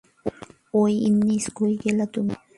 ঐ, ইউনিস্, কই গেলা তুমি?